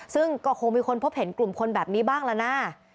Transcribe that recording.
ซึ่งก็คงมีคนพบเห็นกลุ่มคนแบบนี้บ้างละนะ